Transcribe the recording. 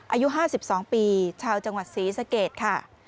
อายุ๕๒ปีชาวจังหวัดศรีสเกตค่ะ